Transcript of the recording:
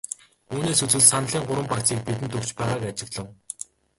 Үүнээс үзвэл саналын гурван багцыг бидэнд өгч байгааг ажиглав.